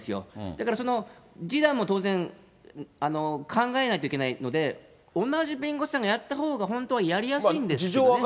だからその示談も当然考えないといけないので、同じ弁護士さんがやったほうが、本当はやりやすいんですけどね。